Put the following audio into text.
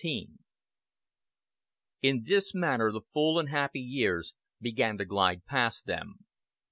XVI In this manner the full and happy years began to glide past them.